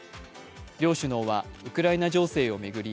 両首脳はウクライナ情勢を巡り